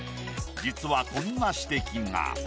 実はこんな指摘が。